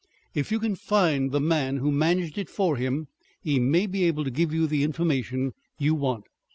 If you can find the man who managed it for him, he may be able to give you the information you want.